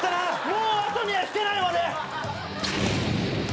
もう後には引けないわね。